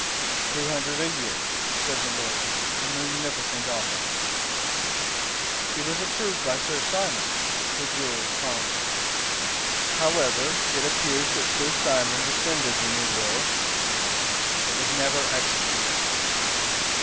"Two hundred a year," said the lawyer. "A munificent offer." "It was approved by Sir Simon," said Julius, calmly. "However, it appears that Sir Simon rescinded the new will " "It was never executed."